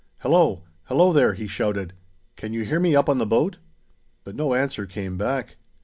"Hello! Hello there!" he shouted. "Can you hear me up on the boat?" But no answer came back.